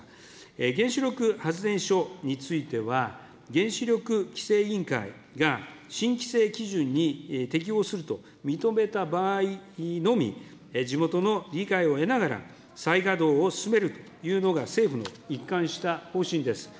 原子力発電所については、原子力規制委員会が新規制基準に適応すると認めた場合のみ、地元の理解を得ながら再稼働を進めるというのが政府の一貫した方針です。